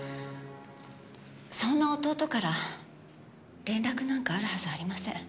そんな弟から連絡なんかあるはずありません。